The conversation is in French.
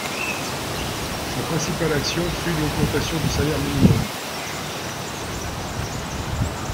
Sa principale action fut l'augmentation du salaire minimum.